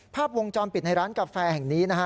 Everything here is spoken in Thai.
ภาพวงจรปิดในร้านกาแฟแห่งนี้นะฮะ